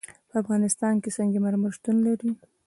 په افغانستان کې سنگ مرمر شتون لري.